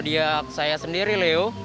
zodiac saya sendiri leo